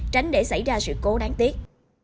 tránh để xảy ra sự cố đáng tiếc